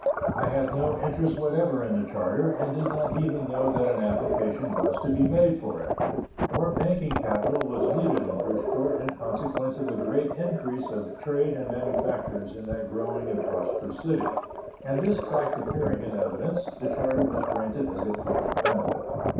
I had no interest whatever in the charter, and did not even know that an application was to be made for it. More banking capital was needed in Bridgeport in consequence of the great increase of trade and manufactures in that growing and prosperous city, and this fact appearing in evidence, the charter was granted as a public benefit.